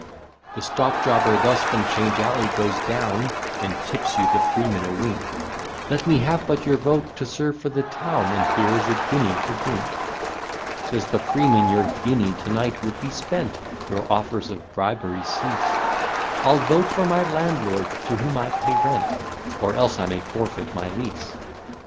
The stockjobber thus from 'Change Alley goes down, And tips you the freeman a wink; Let me have but your vote to serve for the town, And here is a guinea to drink. Says the freeman, your guinea to night would be spent! Your offers of bribery cease: I'll vote for my landlord to whom I pay rent, Or else I may forfeit my lease.